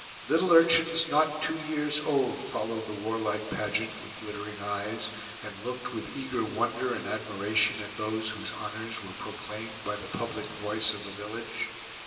Little urchins, not two years old, followed the warlike pageant with glittering eyes, and looked with eager wonder and admiration at those whose honors were proclaimed by the public voice of the village.